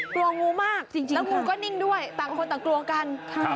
กลัวงูมากจริงแล้วงูก็นิ่งด้วยต่างคนต่างกลัวกัน